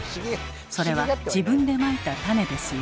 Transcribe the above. それは自分でまいた種ですよ。